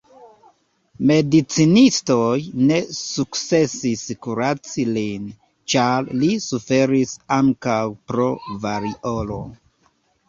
Medicinistoj ne sukcesis kuraci lin, ĉar li suferis ankaŭ pro variolo.